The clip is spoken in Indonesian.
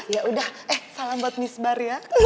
yaudah salam buat miss bar ya